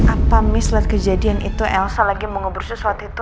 apa misalnya kejadian itu elsa lagi mau ngebersuh saat itu